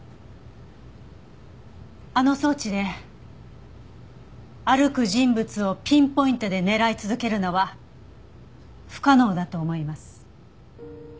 あの装置で歩く人物をピンポイントで狙い続けるのは不可能だと思います。